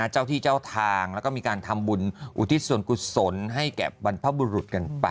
เจ้าที่เจ้าทางแล้วก็มีการทำบุญอุทิศส่วนกุศลให้แก่บรรพบุรุษกันไป